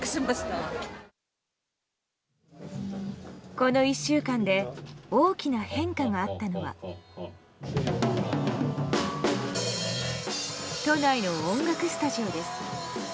この１週間で大きな変化があったのは都内の音楽スタジオです。